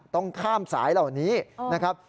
ต้องข้ามสายเหล่านี้นะครับ